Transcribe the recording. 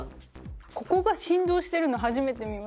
ここが振動してるの初めて見ました。